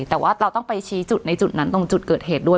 แต่ว่าเราต้องไปชี้จุดในจุดนั้นตรงจุดเกิดเหตุด้วย